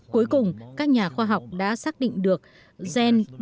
cuối cùng các nhà khoa học đã xác định được gen dr eb một c